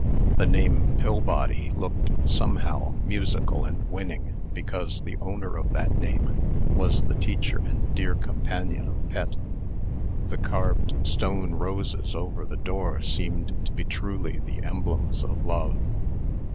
The name Pillbody looked, somehow, musical and winning, because the owner of that name was the teacher and dear companion of Pet. The carved stone roses over the door seemed to be truly the emblems of love.